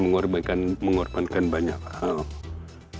dengan mengorbankan banyak hal